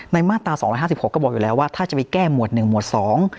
มาตราสองร้อยห้าสิบหกก็บอกอยู่แล้วว่าถ้าจะไปแก้หมวดหนึ่งหมวดสอง